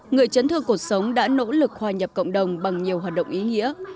người chấn thương cuộc sống đã nỗ lực hòa nhập cộng đồng bằng nhiều hoạt động ý nghĩa